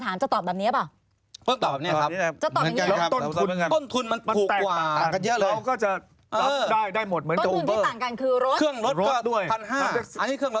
ถ้าสมมุติทางการมาถามจะตอบแบบนี้หรือเปล่า